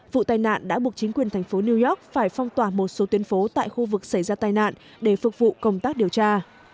vụ tai nạn đã buộc chính quyền thành phố new york phải phong tỏa một số tuyến phố tại khu vực xảy ra tai nạn để phục vụ công tác điều tra